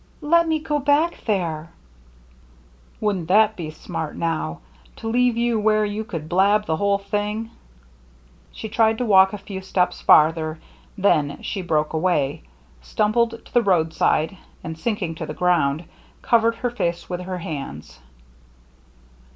Let me go back there." " Wouldn't that be smart, now ! To leave you where you could blab the whole thing !" She tried to walk a few steps farther ; then she broke away, stumbled to the roadside, and, sinking to the ground, covered her face with her hands.